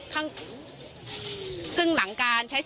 คุณค่ะคุณค่ะ